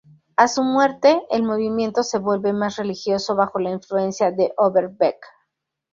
A su muerte, el movimiento se vuelve más religioso bajo la influencia de Overbeck.